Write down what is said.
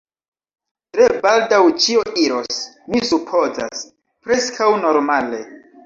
tre baldaŭ ĉio iros, mi supozas, preskaŭ normale.